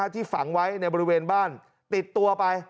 ที่ฝังไว้ในบริเวณบ้านติดตัวไป